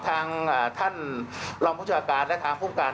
ทางท่านลองภูมิชาการและทางภูมิการ